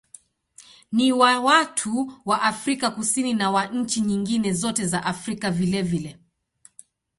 Ni wa watu wa Afrika Kusini na wa nchi nyingine zote za Afrika vilevile.